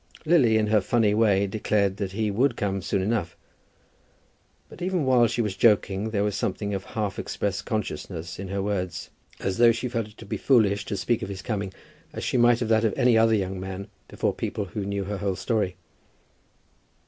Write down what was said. Lily, in her funny way, declared that he would come soon enough. But even while she was joking there was something of half expressed consciousness in her words, as though she felt it to be foolish to speak of his coming as she might of that of any other young man, before people who knew her whole story.